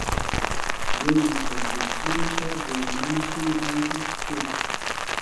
دیل مۂ تۆبیلجی موشۂ دېونۂ موشوم غݷدی کی تو